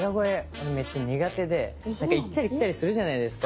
俺めっちゃ苦手でなんか行ったり来たりするじゃないですか。